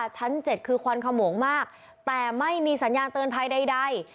ชั้น๗คือควันขโมงมากแต่ไม่มีสัญญาณเตือนภัยใด